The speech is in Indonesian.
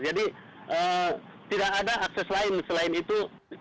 jadi tidak ada akses lain selain itu